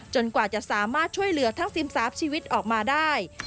กว่าจะสามารถช่วยเหลือทั้ง๑๓ชีวิตออกมาได้